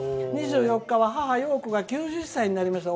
「２４日は母ようこが９０歳になりました」。